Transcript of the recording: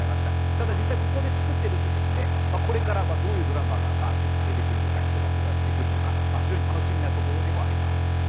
ただ、実際ここで作っているので、これからどういうドラマがヒット作が出てくるのか非常に楽しみなところでもあります。